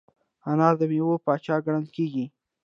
انار د میوو پاچا ګڼل کېږي.